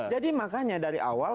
jadi makanya dari awal